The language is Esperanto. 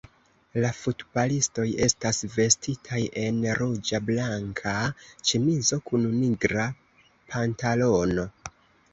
La futbalistoj estas vestitaj en ruĝa-blanka ĉemizo kun nigra pantalono.